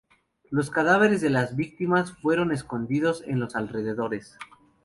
Los cadáveres de las víctimas fueron escondidos en los alrededores.